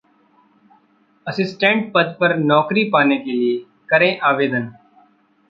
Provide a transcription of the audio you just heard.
assistant पद पर नौकरी पाने के लिए करें आवेदन